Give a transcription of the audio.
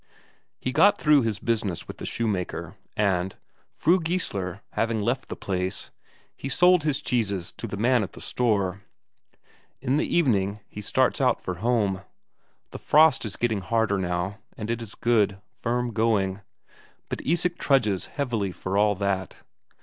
He got through his business with the shoemaker, and, Fru Geissler having left the place, he sold his cheeses to the man at the store. In the evening, he starts out for home. The frost is getting harder now, and it is good, firm going, but Isak trudges heavily for all that.